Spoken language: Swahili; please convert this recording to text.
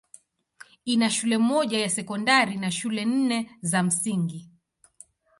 Ina shule moja ya sekondari na shule nne za msingi.